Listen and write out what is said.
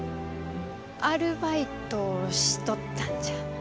アルバイトをしとったんじゃ。